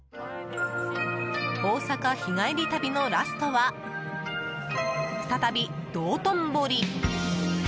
大阪日帰り旅のラストは再び道頓堀。